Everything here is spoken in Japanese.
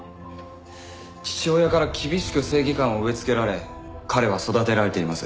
父親から厳しく正義感を植えつけられ彼は育てられています。